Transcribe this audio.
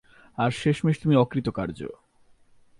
আর শেষমেশ তুমি অকৃতকার্য।